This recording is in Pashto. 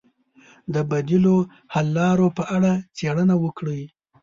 د بدیلو حل لارو په اړه څېړنه وکړئ.